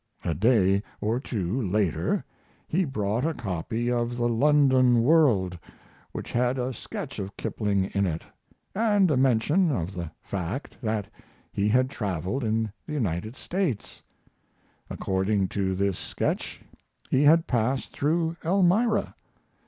A day or two later he brought a copy of the London World which had a sketch of Kipling in it, and a mention of the fact that he had traveled in the United States. According to this sketch he had passed through Elmira.